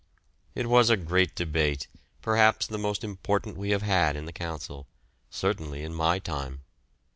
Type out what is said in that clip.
It was a great debate, perhaps the most important we have had in the Council, certainly in my time.